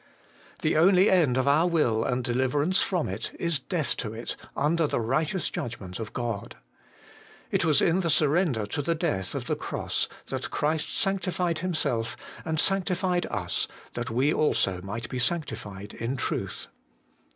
The only end of our will and deliverance from it, is death to it under the righteous judgment of God. It was in the surrender to the death of the cross that Christ sanctified Himself, and sanctified us, that we also might be sanctified in truth.